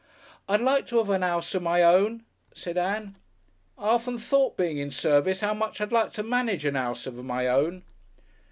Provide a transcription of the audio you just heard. "I'd like to 'ave a 'ouse of my own," said Ann. "I've often thought, being in service, 'ow much I'd like to manage a 'ouse of my own."